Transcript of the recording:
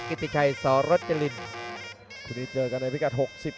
๓คู่ที่ผ่านมานั้นการันตีถึงความสนุกดูดเดือดที่แฟนมวยนั้นสัมผัสได้ครับ